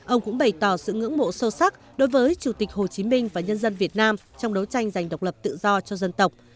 ông cũng bày tỏ sự ngưỡng mộ sâu sắc đối với chủ tịch hồ chí minh và nhân dân việt nam trong đấu tranh giành độc lập tự do cho dân tộc